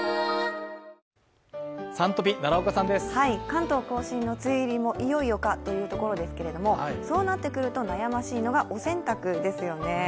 関東甲信の梅雨入りもいよいよかというところですが、そうなってくると、悩ましいのがお洗濯ですよね。